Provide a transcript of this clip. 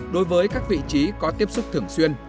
đối với các vị trí có tiếp xúc thường xuyên